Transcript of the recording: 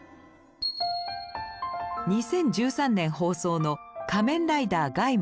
２０１３年放送の「仮面ライダー鎧武」。